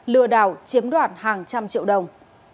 lừa đảo chiếm đoạt hàng trăm triệu đồng